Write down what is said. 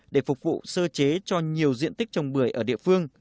để phục vụ sơ chế cho nhiều diện tích trồng bưởi ở địa phương